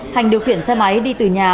hành điều khiển xe máy đi từ nhà